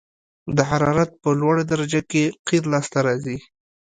د حرارت په لوړه درجه کې قیر لاسته راځي